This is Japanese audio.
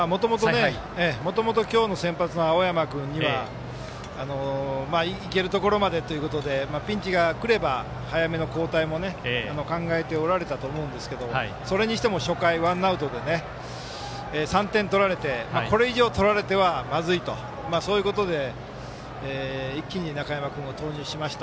もともと今日の先発の青山君にはいけるところまでということでピンチがくれば早めの交代も考えておられたと思うんですけどそれにしても初回、ワンアウトで３点取られて、これ以上取られてはまずいとそういうことで、一気に中山君を投入しました。